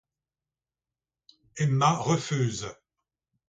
Emma refuse.